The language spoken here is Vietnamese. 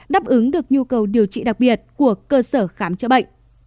đáp ứng được nhu cầu điều trị đặc biệt của cơ sở khám chữa bệnh